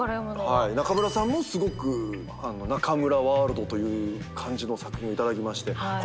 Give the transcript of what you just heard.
中村さんもすごく中村ワールドという感じの作品を頂きまして。